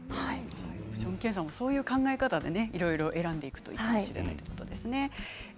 オプション検査はそういう考え方でいろいろ選んでいくといいかもしれないということですね。